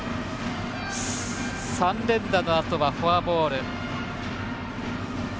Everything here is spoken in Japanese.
３連打のあとはフォアボール。